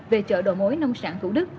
về chợ đồ mối nông sản thủ đức